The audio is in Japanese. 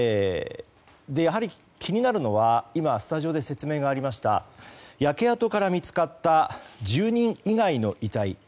やはり気になるのはスタジオで説明がありました焼け跡から見つかった住人以外の遺体。